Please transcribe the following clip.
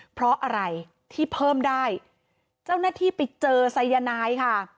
เพราะอะไรที่เพิ่มได้เจ้าหน้าที่ไปเจอสายนายค่ะ